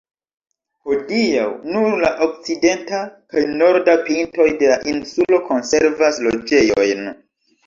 Hodiaŭ, nur la okcidenta kaj norda pintoj de la insulo konservas loĝejojn.